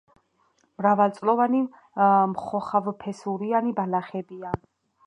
მრავალწლოვანი მხოხავფესურიანი ბალახებია.